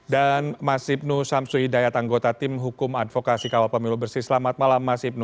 dan mas ibnu samsuidaya tanggota tim hukum advokasi kawal pemilu bersih selamat malam mas ibnu